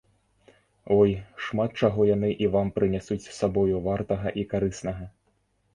Ой, шмат чаго яны і вам прынясуць з сабою вартага і карыснага.